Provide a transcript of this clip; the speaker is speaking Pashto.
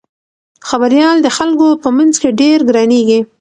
خبریال د خلکو په منځ کې ډېر ګرانیږي.